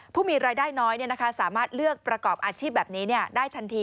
ผู้มีรายได้น้อยสามารถเลือกประกอบอาชีพแบบนี้ได้ทันที